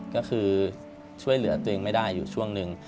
ก็คือช่วยเหลือตัวเองไม่ได้อยู่ช่วงหนึ่ง